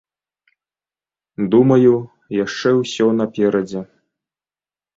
Думаю, яшчэ ўсё наперадзе.